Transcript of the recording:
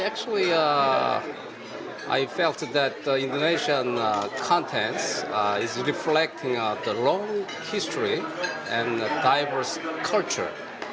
ketersediaan bukan tinggi tapi potensi sangat besar